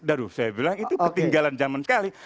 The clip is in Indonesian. aduh saya bilang itu ketinggalan zaman sekali